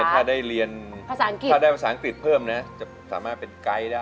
ถ้าได้เรียนภาษาอังกฤษเพิ่มนะจะสามารถเป็นไกด์ได้